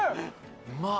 うまっ。